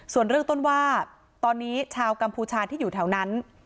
ส่วนเรื่องต้นว่าตอนนี้ชาวกัมพูชาที่อยู่แถวนั้น